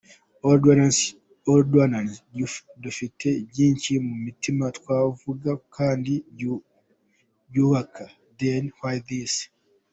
All rwandans dufite byinshi mu mitima twavuga kandi byubaka, then why this »?